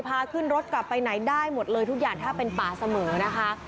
พาขึ้นรถกลับไปไหนได้หมดเลยทุกอย่างถ้าเป็นป่าเสมอนะคะ